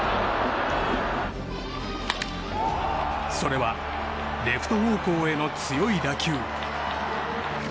それはレフト方向への強い打球。